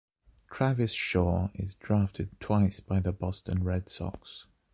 Travis Shaw is drafted twice by the Boston Red Sox.